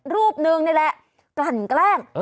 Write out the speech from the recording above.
รูปหนึ่งนี่แหละกลั่นแกล้ง